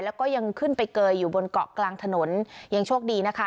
แล้วก็ยังขึ้นไปเกยอยู่บนเกาะกลางถนนยังโชคดีนะคะ